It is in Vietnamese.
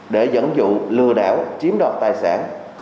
để dẫn dụ lừa đảo chiếm đặt tài sản